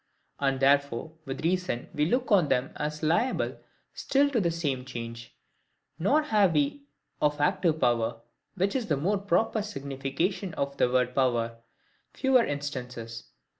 And therefore with reason we look on them as liable still to the same change. Nor have we of ACTIVE power (which is the more proper signification of the word power) fewer instances.